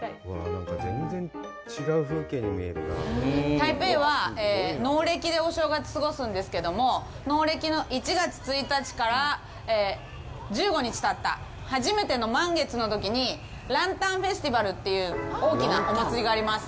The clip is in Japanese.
台北は農暦でお正月を過ごすんですけども、農暦の１月１日から１５日たった初めての満月のときにランタンフェスティバルという大きなお祭りがあります。